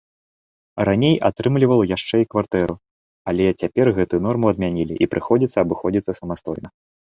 Раней атрымліваў яшчэ і кватэру, але цяпер гэтую норму адмянілі і прыходзіцца абыходзіцца самастойна.